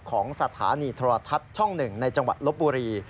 ของสถานีโทรทัศน์ช่อง๑ในจังหวัดลบบุรี